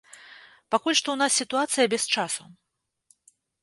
Пакуль што ў нас сітуацыя без часу.